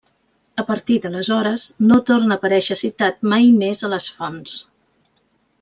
A partir d'aleshores no torna a aparèixer citat mai més a les fonts.